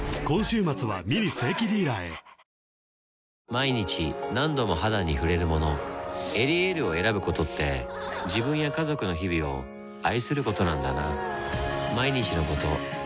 毎日何度も肌に触れるもの「エリエール」を選ぶことって自分や家族の日々を愛することなんだなぁ